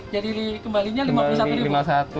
jadi kembalinya rp lima puluh satu